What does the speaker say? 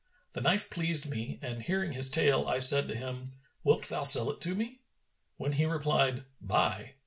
The knife pleased me and hearing his tale I said to him, 'Wilt thou sell it to me?' when he replied, 'Buy.'